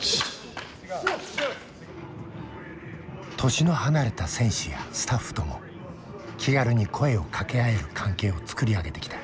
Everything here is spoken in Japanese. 年の離れた選手やスタッフとも気軽に声をかけ合える関係を作り上げてきた。